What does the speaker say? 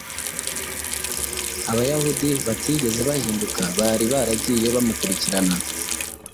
Abayahudi batigeze bahinduka bari baragiye bamukurikirana,